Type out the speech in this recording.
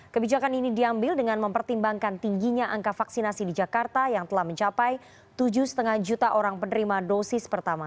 kebijakan ini diambil dengan mempertimbangkan tingginya angka vaksinasi di jakarta yang telah mencapai tujuh lima juta orang penerima dosis pertama